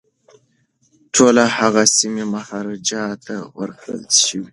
ټولي هغه سیمي مهاراجا ته ورکړل شوې.